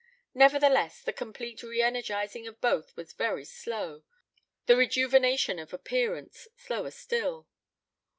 Nevertheless, the complete reënergizing of both was very slow, the rejuvenation of appearance slower still.